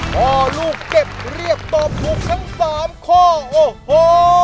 พ่อลูกเจ็บเรียบตอบถูกทั้ง๓ข้อโอ้โห